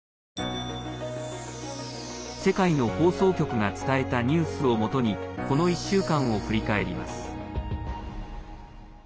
世界の放送局が伝えたニュースをもとにこの１週間を振り返ります。